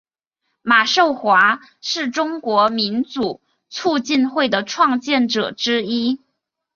马寿华是中国民主促进会的创建者之一。